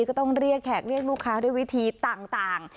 ก็ต้องเรียกแขกเรียกลูกค้าด้วยวิธีต่าง